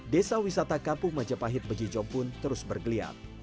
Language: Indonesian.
desa wisata kampung majapahit bejijong pun terus bergeliat